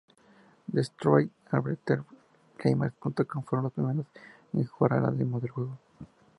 Destructoid y AdventureGamers.com fueron los primeros en jugar a la demo del juego.